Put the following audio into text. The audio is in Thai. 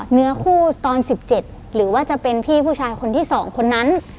เนื้อคู่ตอน๑๗หรือว่าจะเป็นพี่ผู้ชายคนที่๒คนนั้น